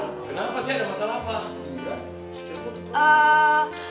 kenapa sih ada masalah apa